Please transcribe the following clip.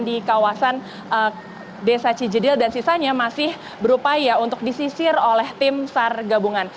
di kawasan desa cijedil dan sisanya masih berupaya untuk disisir oleh tim sar gabungan